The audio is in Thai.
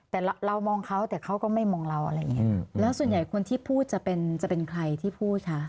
แต่เรามองเขาแต่เขาก็ไม่มองเราอะไรอย่างเงี้ยแล้วส่วนใหญ่คนที่พูดจะเป็นจะเป็นใครที่พูดคะ